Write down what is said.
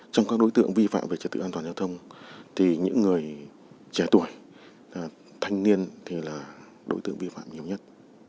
trong các đối tượng vi phạm về trật tự an toàn giao thông thì những người trẻ tuổi thanh niên thì là đối tượng vi phạm nhiều nhất